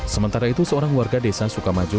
sementara itu seorang warga desa sukamajo